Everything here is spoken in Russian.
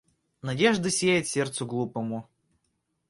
Надежда сияет сердцу глупому.